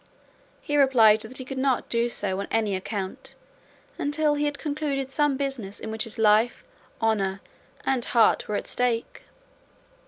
He replied that he could not do so on any account until he had concluded some business in which his life, honour, and heart were at stake.